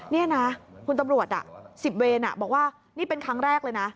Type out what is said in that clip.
นี่นะคุณตำรวจ๑๐เวรบอกว่านี่เป็นครั้งแรกเลยนะ